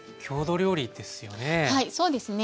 はいそうですね。